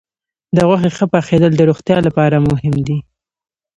د غوښې ښه پخېدل د روغتیا لپاره مهم دي.